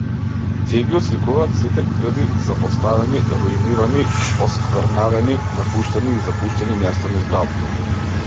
Тие ги отсликуваат сите грди, запоставени, руинирани, осквернавени, напуштени и запуштени места низ градот.